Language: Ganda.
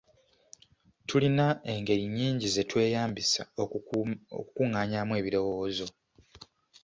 Tulina engeri nnyingi ze tweyambisa okukungaanyaamu ebirowoozo.